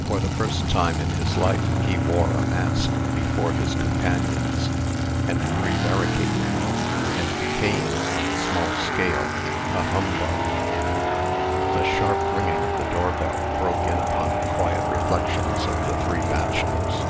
For the first time in his life he wore a mask before his companions, and prevaricated, and became, on a small scale, a humbug. The sharp ringing of the doorbell broke in upon the quiet reflections of the three bachelors.